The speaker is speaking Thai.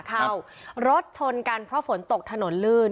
เข้ารถชนกันเพราะฝนตกถนนลื่น